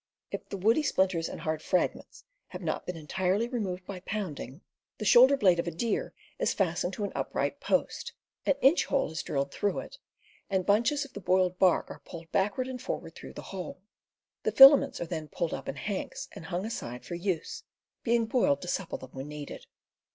If the woody splinters and hard fragments have not been entirely removed by pounding, the shoulder blade AXEMANSHIP 271 of a deer is fastened to an upright post, an inch hole is drilled through it, and bunches of the boiled bark are pulled backward and forward through the hole. The filaments are then put up in hanks and hung aside for use, being boiled to supple them when needed.